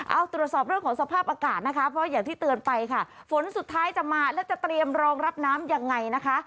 เอาตรวจสอบเรื่องของสภาพอากาศนะคะเพราะอย่างที่เตือนไปค่ะฝนสุดท้ายจะมาและจะเตรียมรองรับน้ำยังไงนะคะ